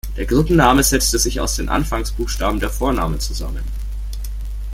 Der Gruppenname setzte sich aus den Anfangsbuchstaben der Vornamen zusammen.